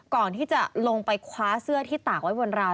ก่อนที่จะลงไปคว้าเสื้อที่ตากไว้บนราว